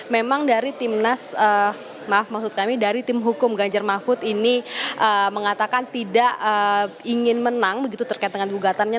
memang dari timnas maaf maksud kami dari tim hukum ganjar mahfud ini mengatakan tidak ingin menang begitu terkait dengan gugatannya